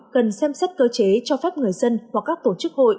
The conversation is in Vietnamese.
cần xem xét cơ chế cho phép người dân hoặc các tổ chức hội